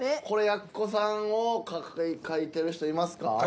これ奴さんを書いてる人いますか？